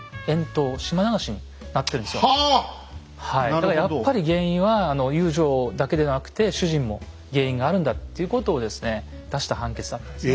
だからやっぱり原因は遊女だけでなくて主人も原因があるんだっていうことをですね出した判決だったんですね。